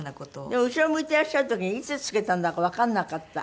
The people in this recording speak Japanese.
でも後ろ向いてらっしゃる時にいつつけたんだかわかんなかった。